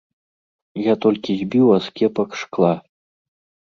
Я толькі збіў аскепак шкла.